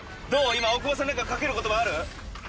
今大久保さんに何かかける言葉ある？